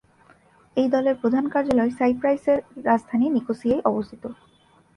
এই দলের প্রধান কার্যালয় সাইপ্রাসের রাজধানী নিকোসিয়ায় অবস্থিত।